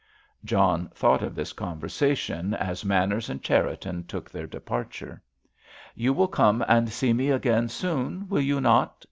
John thought of this conversation as Manners and Cherriton took their departure. "You will come and see me again soon, will you not?"